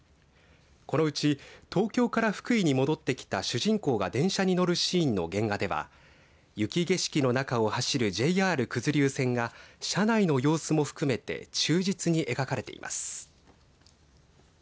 このうち東京から福井に戻ってきた主人公が電車に乗るシーンの原画では雪景色の中を走るＪＲ九頭竜線が車内の様子も含めて忠実に描かれています。